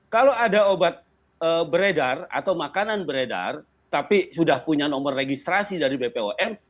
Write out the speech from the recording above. kalau ada obat beredar atau makanan beredar tapi sudah punya nomor registrasi dari bpom